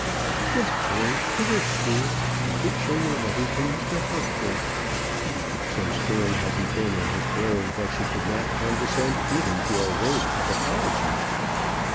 "Yes, George; it is true. I did show your letter to Mr. Harcourt." So stern had he been in his bearing that she could not condescend even to a word of apology.